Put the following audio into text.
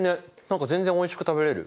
何か全然おいしく食べれる。